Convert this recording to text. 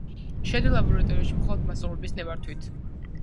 შედი ლაბორატორიაში მხოლოდ მასწავლებლის ნებართვით.